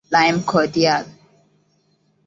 Lime Cordiale